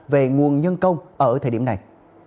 về nguồn nhân công ở thời điểm này